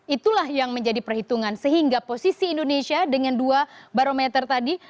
itulah yang menjadi perhitungan sehingga posisi indonesia dengan dua barometer tadi